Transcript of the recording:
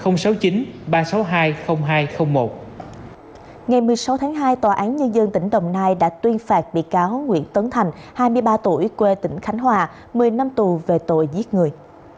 ngày một mươi sáu tháng hai tòa án nhân dân tỉnh đồng nai đã tuyên phạt bị cáo nguyễn tấn thành hai mươi ba tuổi quê tỉnh khánh hòa một mươi năm tù về tội giết người